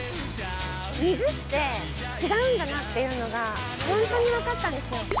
みずって違うんだなっていうのが本当にわかったんですよ。